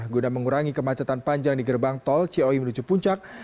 guna mengurangi kemacetan panjang di gerbang tol ciawi menuju puncak